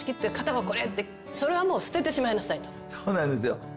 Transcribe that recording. そうなんですよ。